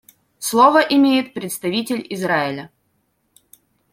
Слово имеет представитель Израиля.